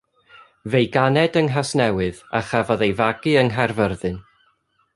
Fe'i ganed yng Nghasnewydd, a chafodd ei fagu yng Nghaerfyrddin.